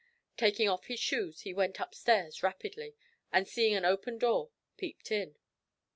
Taking off his shoes he went up stairs rapidly, and seeing an open door, peeped in.